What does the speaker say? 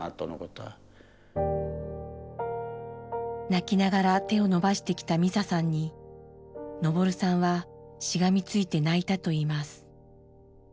泣きながら手を伸ばしてきたミサさんに昇さんはしがみついて泣いたといいます。